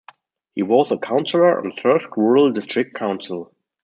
He was a councillor on Thirsk Rural District Council.